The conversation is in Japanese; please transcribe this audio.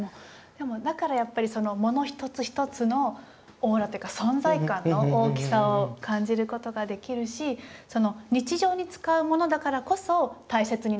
でもだからやっぱりもの一つ一つのオーラっていうか存在感の大きさを感じることができるし日常に使うものだからこそ大切にできる。